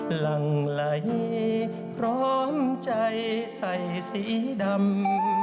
หลังไหลพร้อมใจใส่สีดำ